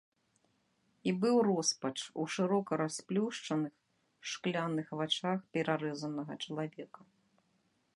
І быў роспач у шырока расплюшчаных, шкляных вачах перарэзанага чалавека.